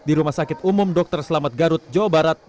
di rumah sakit umum dr selamat garut jawa barat